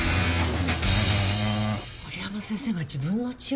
森山先生が自分の血を？